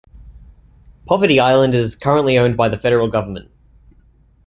Poverty Island is currently owned by the federal government.